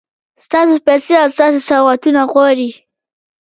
ستاسو پیسې او ستاسو سوغاتونه غواړي.